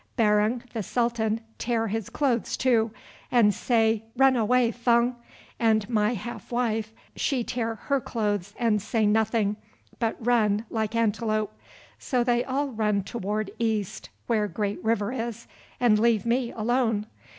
"Barung the Sultan tear his clothes too, and say—'Run away, Fung,' and my half wife, she tear her clothes and say nothing, but run like antelope. So they all run toward east, where great river is, and leave me alone.